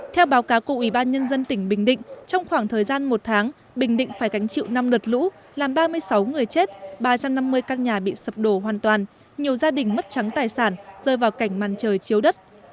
theo báo cáo của ủy ban nhân dân tỉnh bình định trong khoảng thời gian một tháng bình định phải gánh chịu năm đợt lũ làm ba mươi sáu người chết ba trăm năm mươi căn nhà bị sập đổ hoàn toàn nhiều gia đình mất trắng tài sản rơi vào cảnh màn trời chiếu đất